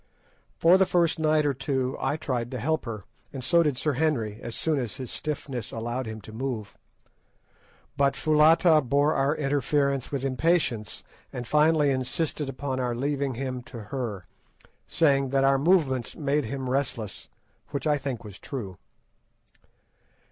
For the first night or two I tried to help her, and so did Sir Henry as soon as his stiffness allowed him to move, but Foulata bore our interference with impatience, and finally insisted upon our leaving him to her, saying that our movements made him restless, which I think was true.